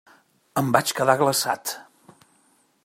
Em vaig quedar glaçat.